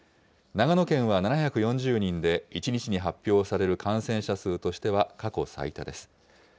長野県は７４０人で、１日に発表される感染者数としては、過去最多です。